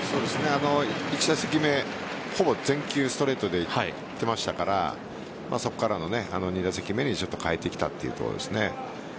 １打席目、ほぼ全球ストレートでいってましたからそこからの２打席目にちょっと変えてきたというところですね。